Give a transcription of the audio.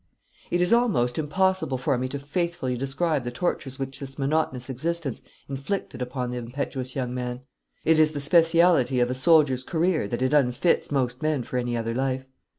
It is almost impossible for me to faithfully describe the tortures which this monotonous existence inflicted upon the impetuous young man. It is the speciality of a soldier's career that it unfits most men for any other life.